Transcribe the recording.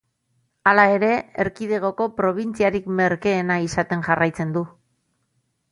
Hala ere, erkidegoko probintziarik merkeena izaten jarraitzen du.